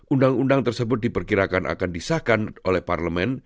undang undang tersebut diperkirakan akan disahkan oleh parlemen